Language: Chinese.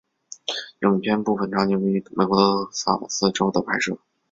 影片部分场景于美国德克萨斯州的拍摄。